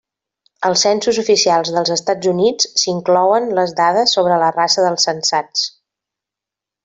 Als censos oficials dels Estats Units s'inclouen les dades sobre la raça dels censats.